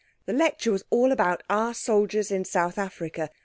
The lecture was all about our soldiers in South Africa.